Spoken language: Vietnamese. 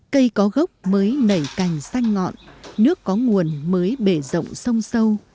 cây có gốc mới nảy cành xanh ngọn nước có nguồn mới bể rộng sông sâu